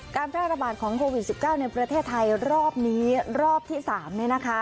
การแพร่ระบาดของโควิด๑๙ในประเทศไทยรอบนี้รอบที่๓เนี่ยนะคะ